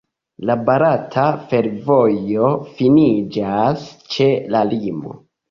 La barata fervojo finiĝas ĉe la limo.